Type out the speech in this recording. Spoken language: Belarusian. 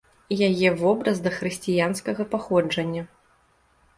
Яе вобраз дахрысціянскага паходжання.